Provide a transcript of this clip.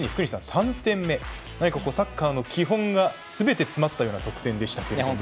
３点目何かサッカーの基本がすべて詰まったような得点でしたけれど。